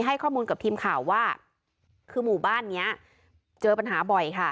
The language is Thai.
ให้ข้อมูลกับทีมข่าวว่าคือหมู่บ้านเนี้ยเจอปัญหาบ่อยค่ะ